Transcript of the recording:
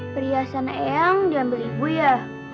perhiasan eyang diambil ibu ya